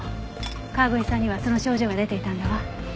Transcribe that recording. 川越さんにはその症状が出ていたんだわ。